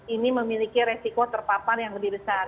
ini memiliki resiko terpapar yang lebih besar